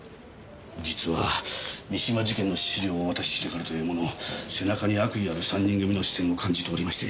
実は三島事件の資料をお渡ししてからというもの背中に悪意ある３人組の視線を感じておりまして。